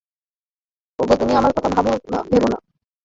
ওগো, তুমি আমার কথা ভাব না?